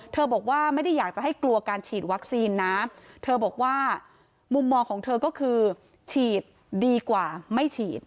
บอกว่าไม่ได้อยากจะให้กลัวการฉีดวัคซีนนะเธอบอกว่ามุมมองของเธอก็คือฉีดดีกว่าไม่ฉีด